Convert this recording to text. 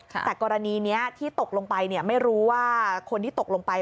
แต่กรณีนี้ที่ตกลงไปไม่รู้ว่าคนที่ตกลงไป